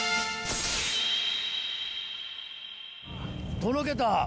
とろけた！